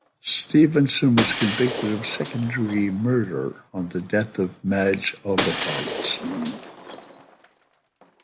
Stephenson was convicted of second-degree murder in the death of Madge Oberholtzer.